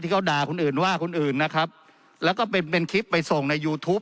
เขาด่าคนอื่นว่าคนอื่นนะครับแล้วก็เป็นเป็นคลิปไปส่งในยูทูป